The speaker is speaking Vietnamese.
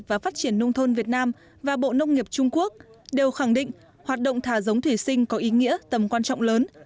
và phát triển nông thôn việt nam và bộ nông nghiệp trung quốc đều khẳng định hoạt động thả giống thủy sinh có ý nghĩa tầm quan trọng lớn